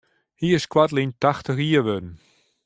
Hy is koartlyn tachtich jier wurden.